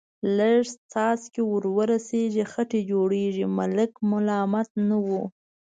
لږ څاڅکي ور ورسېږي، خټې جوړېږي، ملک ملامت نه و.